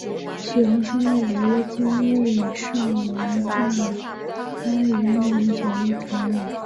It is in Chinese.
许衡生于金卫绍王大安元年九月丙寅。